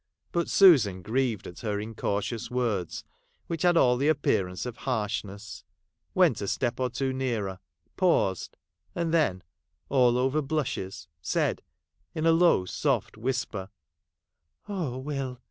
But Susan, grieved at her in cautious words, which had all the appearance of harshness, went a step or two nearer — paused — and then, all over blushes, said in a low soft whisper —' Oh Will